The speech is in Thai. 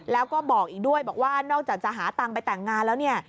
แล้วก็บอกอีกด้วยบอกว่านอกจากจะหาตังค์ไปแต่งงานแล้วเนี่ย